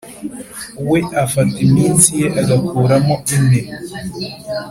we afata iminsi ye agakuramo ine